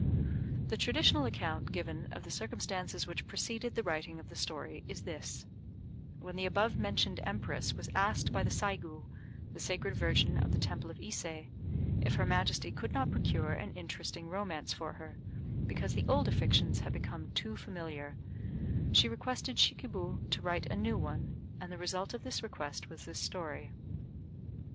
The traditional account given of the circumstances which preceded the writing of the story is this: when the above mentioned Empress was asked by the Saigû (the sacred virgin of the temple of Ise) if her Majesty could not procure an interesting romance for her, because the older fictions had become too familiar, she requested Shikib to write a new one, and the result of this request was this story.